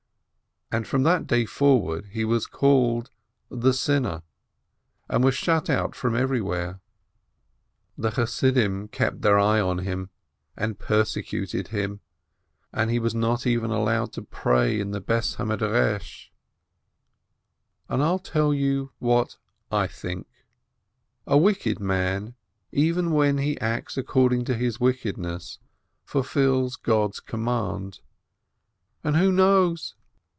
And from that day forward he was called the Sinner, and was shut out from everywhere. The Chassidim kept their eye on him, and persecuted him, and he was not even allowed to pray in the house of study. And I'll tell you what I think: A wicked man, even when he acts according to his wickedness, fulfils God's command. And who knows?